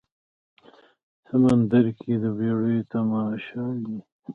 سمندر کې د بیړیو تماشا وي